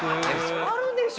あるでしょ